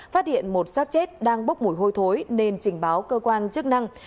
phát hiện một sát chết đang bốc mùi hôi thối nên trình báo cơ quan chức năng